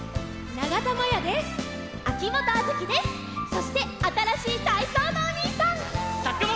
そしてあたらしいたいそうのおにいさん！